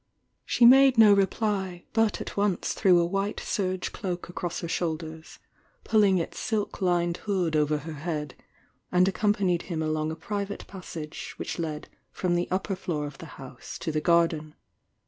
bhe made no reply, but at once threw a white serge cloak across her shoulders, pulling its silk lined hood oyer her head, and accompanied him along a pix/ate passage which led from the upper floor of the house to the garden.